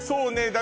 だ